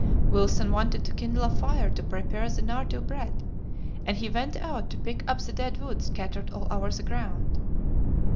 Wilson wanted to kindle a fire to prepare the NARDOU bread, and he went out to pick up the dead wood scattered all over the ground.